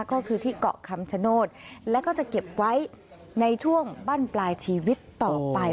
ก็คือที่เกาะคำชโนธแล้วก็จะเก็บไว้ในช่วงบั้นปลายชีวิตต่อไป